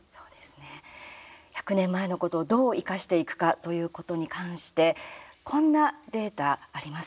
１００年前のことをどう生かしていくかということに関してこんなデータあります。